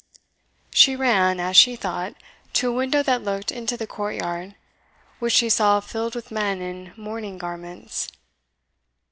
She ran, as she thought, to a window that looked into the courtyard, which she saw filled with men in mourning garments.